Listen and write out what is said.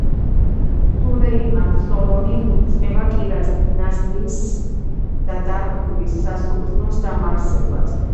სულეიმან სოლონი მიიჩნევა კირას დინასტიის და დარფურის სასულთნოს დამაარსებლად.